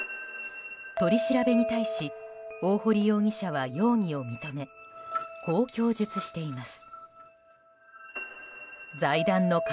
取り調べに対し大堀容疑者は容疑を認めこう供述しています。